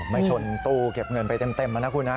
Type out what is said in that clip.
ไม่ชนตู้เก็บเงินไปเต็มนะคุณนะ